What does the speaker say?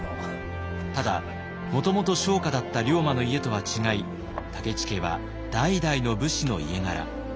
ただもともと商家だった龍馬の家とは違い武市家は代々の武士の家柄。